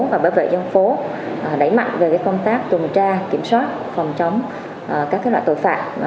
và bảo vệ dân phố đẩy mạnh về công tác tuần tra kiểm soát phòng chống các loại tội phạm